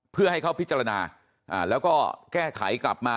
เพื่อให้เขาพิจารณาแล้วก็แก้ไขกลับมา